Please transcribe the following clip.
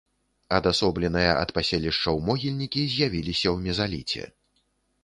Адасобленыя ад паселішчаў могільнікі з'явіліся ў мезаліце.